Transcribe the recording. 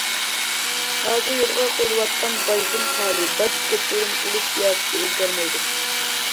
ھازىر يولغا قويۇلۇۋاتقان باجدىن خالىي، باج كەچۈرۈم قىلىش سىياسىتى ئۆزگەرمەيدۇ.